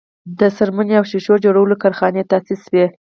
د څرمنې او ښیښو جوړولو کارخانې تاسیس شوې.